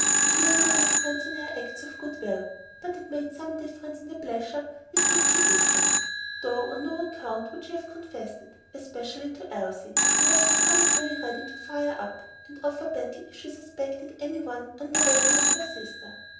It made no difference in her acts of good will, but it made some difference in the pleasure with which she did them, though on no account would she have confessed it, especially to Elsie, who was so comically ready to fire up and offer battle if she suspected any one of undervaluing her sister.